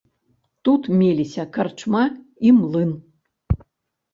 Тут меліся карчма і млын.